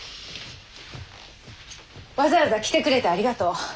わざわざ来てくれてありがとう。